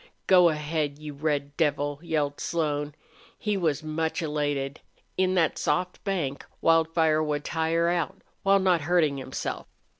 "Go ahead, you red devil!" yelled Slone. He was much elated. In that soft bank Wildfire would tire out while not hurting himself.